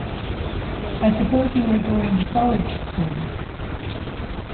I suppose you are going to college soon?